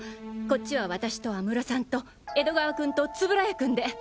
こっちは私と安室さんと江戸川君と円谷君で！